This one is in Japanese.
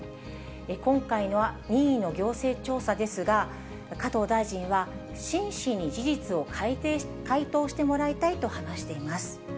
今回は任意の行政調査ですが、加藤大臣は、真摯に事実を回答してもらいたいと話しています。